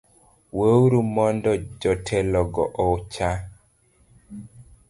Weuru mondo jotelogo ocha